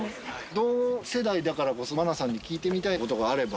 同世代だからこそ愛菜さんに聞いてみたいことがあれば。